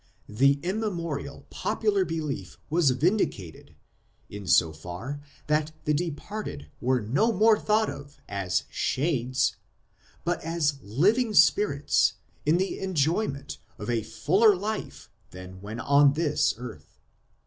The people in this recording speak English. The immemorial popular belief was vindicated in so far that the departed were no more thought of as " Shades," but as living spirits in the enjoyment of a fuller life than when on this earth.